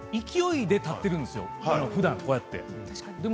勢いで立っているんですよふだんこうやって。